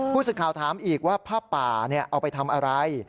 สึกข่าวถามอีกว่าผ้าป่าเอาไปทำอะไร